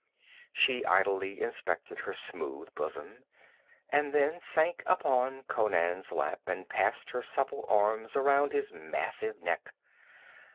She idly inspected her smooth bosom, and then sank upon Conan's lap and passed her supple arms around his massive neck.